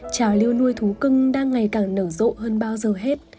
trào lưu nuôi thú cưng đang ngày càng nở rộ hơn bao giờ hết